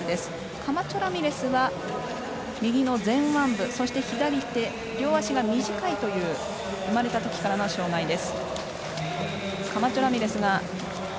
カマチョラミレスは右の前腕部そして左手、両足が短いという生まれたときからの障がいです。